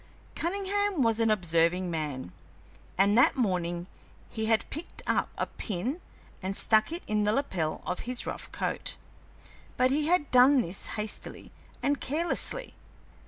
Cunningham was an observing man, and that morning he had picked up a pin and stuck it in the lapel of his rough coat, but he had done this hastily and carelessly.